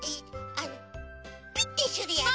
あのピッてするやつね。